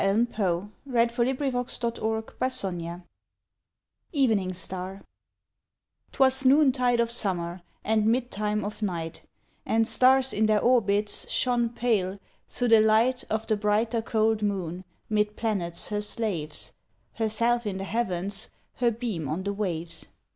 [Illustration: To (Mrs. Maris Louise Shew)] EVENING STAR 'Twas noontide of summer, And mid time of night; And stars in their orbits, Shone pale, thro' the light Of the brighter, cold moon, 'Mid planets her slaves, Herself in the Heavens, Her beam on the waves.